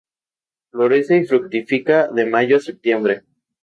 Florece y fructifica de Mayo a Septiembre.